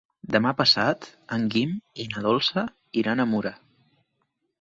Demà passat en Guim i na Dolça iran a Mura.